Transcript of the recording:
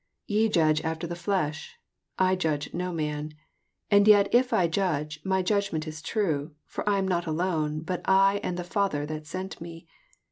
15 Ye judge after the flesh; I judge no man. 16 And yet if I judge, my judg ment is true: for I am not alone, bat I and the Father that sent me.